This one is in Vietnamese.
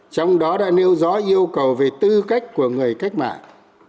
trong đó đã nêu rõ yêu cầu về tư cách của người cách mạng